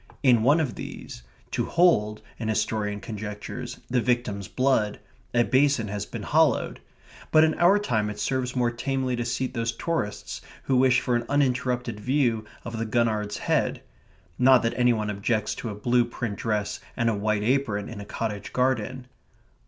In one of these, to hold, an historian conjectures, the victim's blood, a basin has been hollowed, but in our time it serves more tamely to seat those tourists who wish for an uninterrupted view of the Gurnard's Head. Not that any one objects to a blue print dress and a white apron in a cottage garden.